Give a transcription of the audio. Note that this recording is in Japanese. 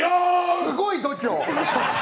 すごい度胸。